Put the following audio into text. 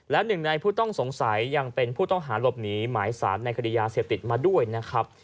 และหนึ่งในผู้ต้องสงสัยยังเป็นผู้ต้องหาหลบหนีหมายสารในคดียาเสพติดมาด้วยนะครับ